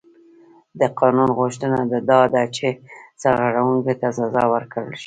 د قانون غوښتنه دا ده چې سرغړونکي ته سزا ورکړل شي.